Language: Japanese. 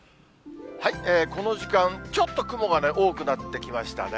この時間、ちょっと雲が多くなってきましたね。